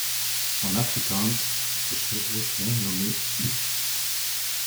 En afrikaans, ces chevaux sont nommés ' ou '.